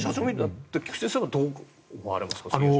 菊地先生はどう思われますか？